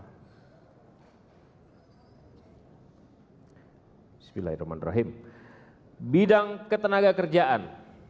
bismillahirrahmanirrahim bidang ketenaga kerjaan